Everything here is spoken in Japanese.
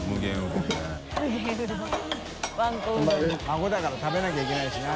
孫だから食べなきゃいけないしな。